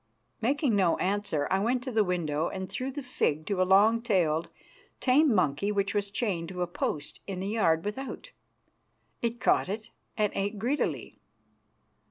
Making no answer, I went to the window, and threw the fig to a long tailed, tame monkey which was chained to a post in the yard without. It caught it and ate greedily.